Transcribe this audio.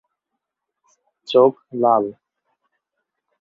চোখ লাল।